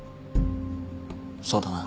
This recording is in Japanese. そうだな。